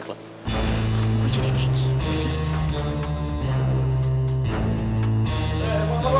aku jadi kayak gini sih